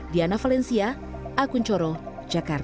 diana valencia akun coro jakarta